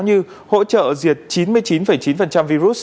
như hỗ trợ diệt chín mươi chín chín virus